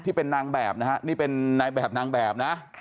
ที่เป็นนางแบบนะฮะนี่เป็นนายแบบนางแบบนะ